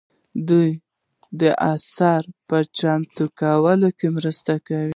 دوی د اثر په چمتو کولو کې مرسته وکړه.